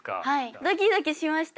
ドキドキしました。